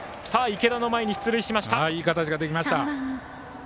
池田の前に出塁しました。